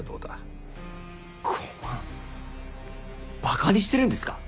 バカにしてるんですか。